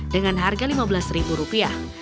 dengan harga lima belas ribu rupiah